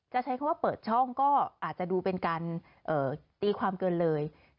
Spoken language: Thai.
ใช้คำว่าเปิดช่องก็อาจจะดูเป็นการตีความเกินเลย